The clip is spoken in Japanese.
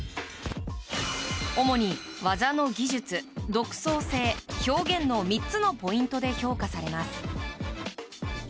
主に技の技術、独創性、表現の３つのポイントで評価されます。